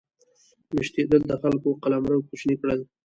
میشتېدل د خلکو قلمرو کوچني کړل.